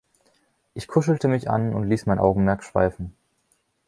Ich kuschelte mich an und ließ mein Augenmerk schweifen.